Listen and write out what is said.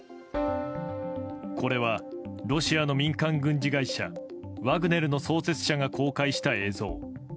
これはロシアの民間軍事会社ワグネルの創設者が公開した映像。